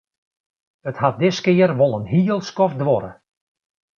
It hat diskear wol in hiel skoft duorre.